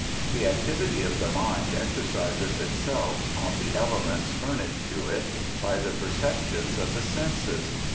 The activity of the mind exercises itself on the elements fur nished to it by the perceptions of the senses.